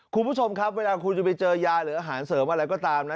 คุณผู้ชมครับเวลาคุณจะไปเจอยาหรืออาหารเสริมอะไรก็ตามนะ